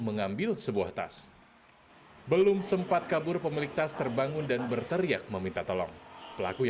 mengambil sebuah tas belum sempat kabur pemilik tas terbangun dan berteriak meminta tolong pelaku